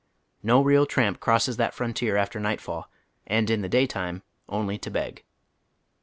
No real tramp crosses that frontier after nightfall and in the day time only to beg.